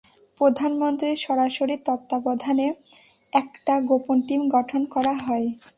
প্রধানমন্ত্রীর সরাসরি তত্ত্বাবধানে, একটা গোপন টিম গঠন করা হয়।